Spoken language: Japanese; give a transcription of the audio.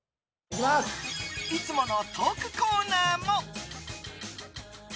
いつものトークコーナーも。